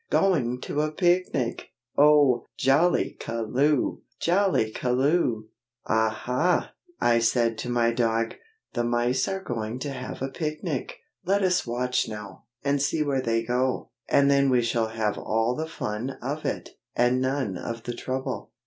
going to a picnic! oh! Jollykaloo! Jollykaloo!" "Aha!" I said to my dog, "the mice are going to have a picnic. Let us watch now, and see where they go: and then we shall have all the fun of it, and none of the trouble."